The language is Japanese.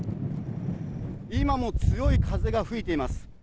今も強い風が吹いています。